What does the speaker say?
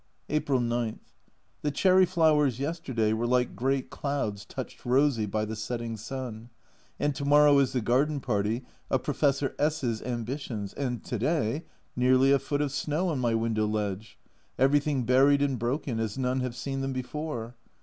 April 9. The cherry flowers yesterday were like great clouds touched rosy by the setting sun, and to morrow is the garden party of Professor S V ambitions, and to day ! nearly a foot of snow on my window ledge everything buried and broken, as none have seen them before.